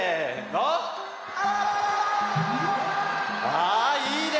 あいいね！